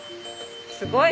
すごい。